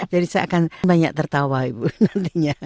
jadi saya akan banyak tertawa ibu nantinya